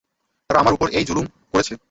তারা আমার উপর এই এই জুলুম করেছে।